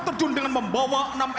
tapi saat ada hal yang tak buga buga lagi